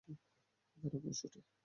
তারা ফুঁসে ওঠে।